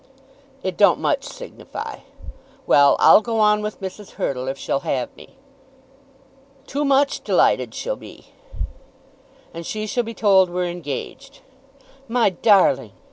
"It don't much signify. Well; I'll go on with Mrs. Hurtle, if she'll have me." "Too much delighted she'll be." "And she shall be told we're engaged." "My darling!"